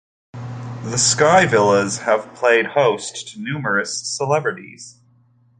The Sky Villas have played host to numerous celebrities.